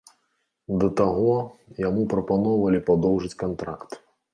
Да таго, яму прапаноўвалі падоўжыць кантракт.